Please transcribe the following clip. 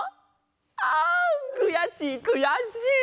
あんくやしいくやしい！